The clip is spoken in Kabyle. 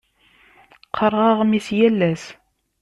Qqareɣ aɣmis yal ass.